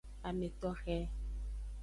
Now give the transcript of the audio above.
Ame toxe.